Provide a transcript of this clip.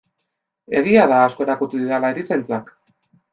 Egia da asko erakutsi didala erizaintzak.